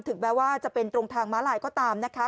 ถึงแม้ว่าจะเป็นตรงทางม้าลายก็ตามนะคะ